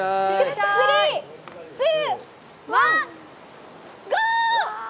３、２、１、ゴー！